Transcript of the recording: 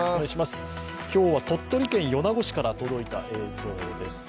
今日は鳥取県米子市から届いた映像です。